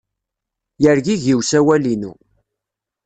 Yergigi usawal-inu.